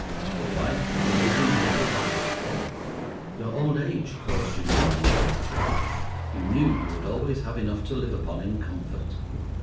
Your wife and children were provided for. Your old age caused you no anxiety; you knew you would always have enough to live upon in comfort.